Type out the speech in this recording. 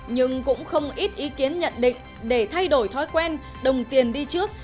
nhưng cũng không ít ý kiến nhận định để thay đổi thói quen đồng tiền đi trước